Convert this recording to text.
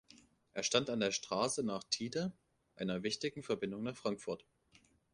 Er stand an der Straße nach Thiede, einer wichtigen Verbindung nach Frankfurt.